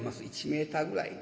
１メーターぐらい。